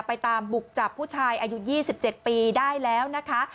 ไปตามบุกจับผู้ชายอายุ๒๗ปีได้แล้วนะคะ